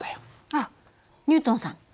あっニュートンさん。